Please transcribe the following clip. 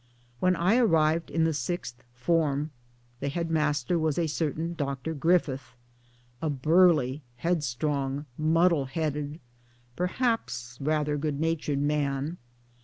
When I arrived in the Sixth Form, the Headmaster was a certain Dr. Griffith a burly, headstrong, muddle headed, perhaps rather good natured man.